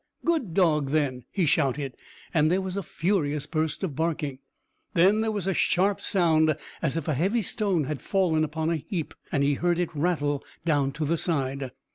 Good dog then!" he shouted, and there was a furious burst of barking. Then there was a sharp sound as if a heavy stone had fallen upon a heap, and he heard it rattle down to the side.